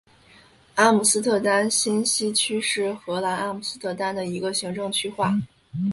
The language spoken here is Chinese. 阿姆斯特丹新西区是荷兰阿姆斯特丹的一个行政区划。